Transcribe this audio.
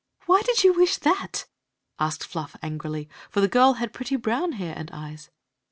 "Why did you wish that?" adccd Fluft angnly. for the girl had pretty brown hair and eyes.